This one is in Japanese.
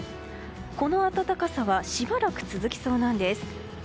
この暖かさはしばらく続きそうなんです。